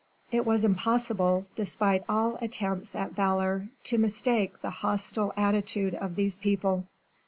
It was impossible, despite all attempts at valour, to mistake the hostile attitude of these people.